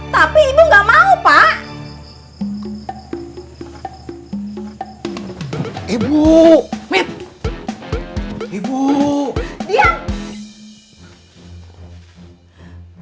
tapi ibu gak mau pak